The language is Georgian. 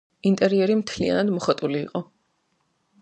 ინტერიერი მთლიანად მოხატული იყო.